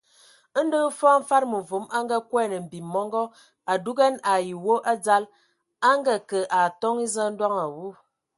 Ndɔ hm fɔɔ Mfad mevom a nganguan mbim mɔngɔ, a dugan ai wɔ a dzal, a ngeakə a atoŋ eza ndoŋ awu.